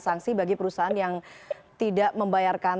sanksi bagi perusahaan yang tidak membayarkan